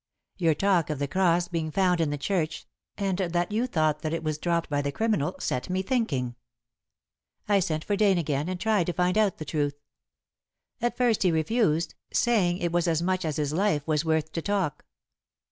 Your talk of the cross being found in the church, and that you thought it was dropped by the criminal set me thinking. I sent for Dane again and tried to find out the truth. At first he refused, saying it was as much as his life was worth to talk."